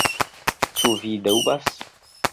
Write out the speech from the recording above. Ĉu vi dubas?